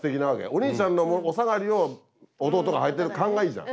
お兄ちゃんのお下がりを弟がはいてる感がいいじゃん。